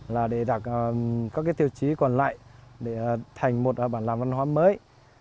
là để đạt các cái tiêu chí còn lại để thành một bản làng văn hóa mới